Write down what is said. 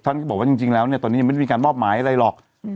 ท่านก็บอกว่าจริงจริงแล้วเนี้ยตอนนี้ยังไม่มีการมอบหมายอะไรหรอกอืม